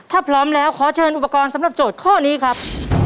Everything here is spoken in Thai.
ถ้าพร้อมแล้วขอเชิญอุปกรณ์สำหรับโจทย์ข้อนี้ครับ